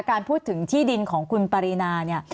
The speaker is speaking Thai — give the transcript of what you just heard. การพูดถึงที่ดินของคุณปรินาเนี่ย